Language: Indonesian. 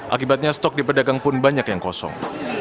akibatnya stok di pedagang pun banyak yang kosong